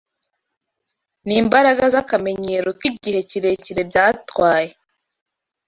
n’imbaraga z’akamenyero k’igihe kirekire byatwaye,